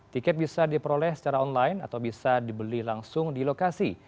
tiket bisa diperoleh secara online atau bisa dibeli langsung di lokasi